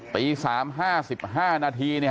ตี๓๕๕นาที